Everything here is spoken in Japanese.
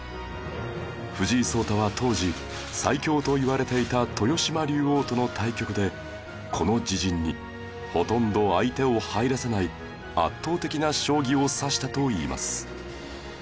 藤井聡太は当時最強といわれていた豊島竜王との対局でこの自陣にほとんど相手を入らせない圧倒的な将棋を指したといいます